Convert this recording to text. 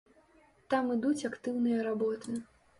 Там ідуць актыўныя работы.